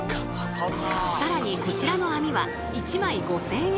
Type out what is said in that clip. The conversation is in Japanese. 更にこちらの網は１枚５，０００円。